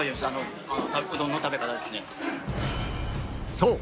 そう！